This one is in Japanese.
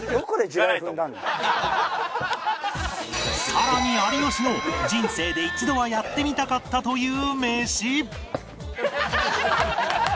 さらに有吉の人生で一度はやってみたかったというメシ